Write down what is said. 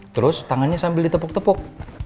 terus tangannya sambil ditepuk tepuk